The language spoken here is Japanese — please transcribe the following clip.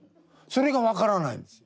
それが分からないんです。